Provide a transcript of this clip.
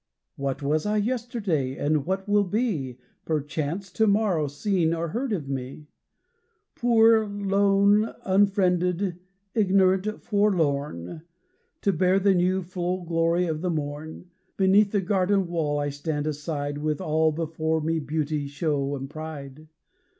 What was I yesterday? and what will be, Perchance, to morrow, seen or heard of me? Poor lone unfriended ignorant forlorn, To bear the new, full glory of the morn, Beneath the garden wall I stand aside, With all before me beauty, show, and pride.